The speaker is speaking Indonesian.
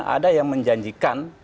ada yang menjanjikan